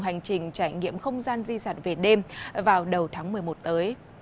hành trình trải nghiệm không gian di sản về đêm vào đầu tháng một mươi một tới